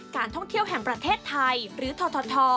การท่องเที่ยวแห่งประเทศไทยหรือทท